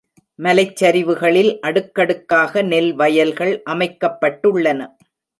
மலைச்சரிவுகளில் அடுக்கடுக்காக நெல் வயல்கள் அமைக்கப்பட்டுள்ளன.